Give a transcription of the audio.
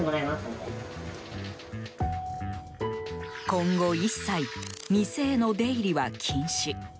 今後一切店への出入りは禁止。